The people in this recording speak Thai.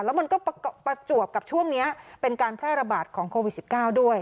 แล้วมันก็ประจวบกับช่วงนี้เป็นการแพร่ระบาดของโควิด๑๙ด้วย